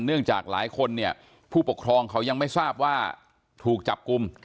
เนื่องจากหลายคนเนี่ยผู้ปกครองเขายังไม่ทราบว่าถูกจับกลุ่ม